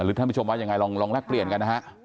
ท่านผู้ชมว่ายังไงลองแลกเปลี่ยนกันนะฮะ